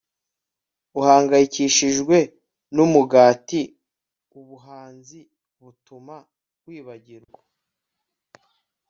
Uhangayikishijwe numugati ubuhanzi butuma wibagirwa